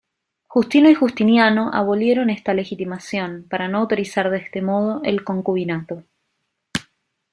Justino y Justiniano abolieron esta legitimación, para no autorizar de este modo el concubinato.